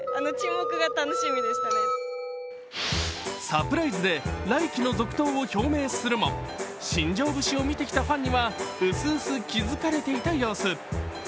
サプライズで来季の続投を表明するも新庄節を見てきたファンにはうすうす気付かれていた様子。